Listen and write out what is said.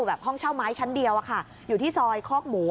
แบบห้องเช่าไม้ชั้นเดียวอะค่ะอยู่ที่ซอยคอกหมู